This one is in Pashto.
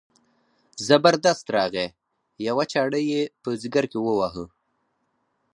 زبردست راغی یوه چاړه یې په ځګر کې وواهه.